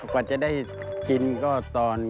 กว่าจะได้กินก็ตอน